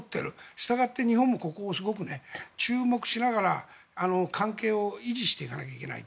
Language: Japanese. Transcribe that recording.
したがって日本もここをすごく注目しながら関係を維持していかなきゃいけない。